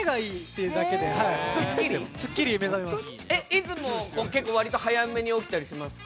いつも結構割と早めに起きたりしますか？